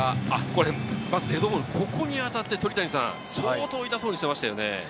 ここに当たって相当、痛そうにしていましたね。